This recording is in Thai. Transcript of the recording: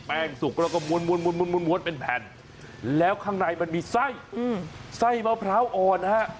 แป้งสุกแล้วก็มวนเป็นแผ่นแล้วข้างในมันมีไส้ไพร้พลาวอ่อน